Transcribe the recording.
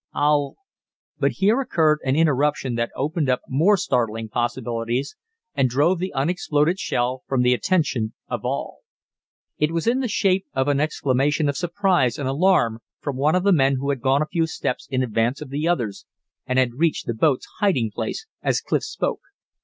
I'll " But here occurred an interruption that opened up more startling possibilities, and drove the unexploded shell from the attention of all. It was in the shape of an exclamation of surprise and alarm from one of the men who had gone a few steps in advance of the others, and had reached the boat's hiding place as Clif spoke.